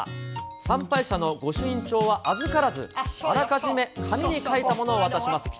参拝者の御朱印帳は預からず、あらかじめ紙に書いたものを渡します。